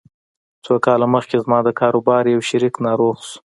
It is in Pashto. څو کاله مخکې زما د کاروبار يو شريک ناروغ شو.